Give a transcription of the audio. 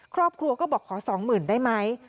ครอบครัวก็บอกขอ๒๐๐๐ได้ไหม